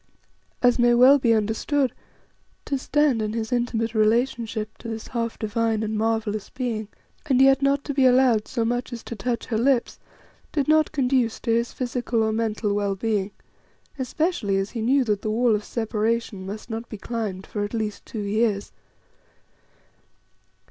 As may well be understood, to stand in his intimate relationship to this half divine and marvellous being, and yet not to be allowed so much as to touch her lips, did not conduce to his physical or mental well being, especially as he knew that the wall of separation must not be climbed for at least two years.